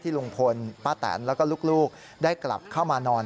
ลุงพลป้าแตนแล้วก็ลูกได้กลับเข้ามานอน